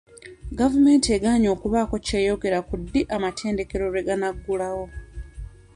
Gavumenti egaanye okubaako kyeyogera ku ddi amatendekero lwe ganaggulawo.